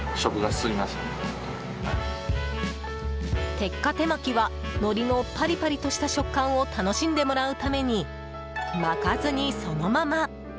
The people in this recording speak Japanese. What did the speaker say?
鉄火手巻きはのりのパリパリとした食感を楽しんでもらうために巻かずに、そのまま！